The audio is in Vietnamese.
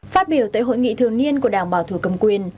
phát biểu tại hội nghị thường niên của đảng bảo thủ cầm quyền